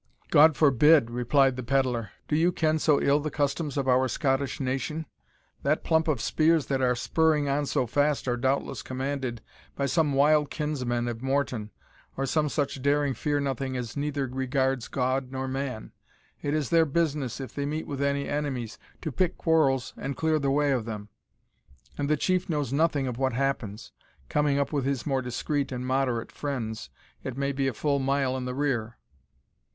"God forbid!" replied the pedlar; "do you ken so ill the customs of our Scottish nation? That plump of spears that are spurring on so fast are doubtless commanded by some wild kinsman of Morton, or some such daring fear nothing as neither regards God nor man. It is their business, if they meet with any enemies, to pick quarrels and clear the way of them; and the chief knows nothing of what happens, coming up with his more discreet and moderate friends, it may be a full mile in the rear.